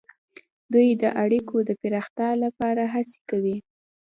دوی د اړیکو د پراختیا لپاره هڅې کوي